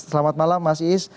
selamat malam mas iis